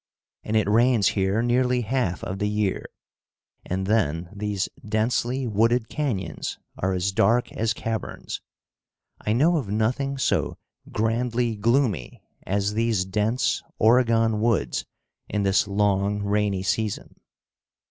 And it rains here nearly half of the year; and then these densely wooded canyons are as dark as caverns. I know of nothing so grandly gloomy as these dense Oregon woods in this long rainy season.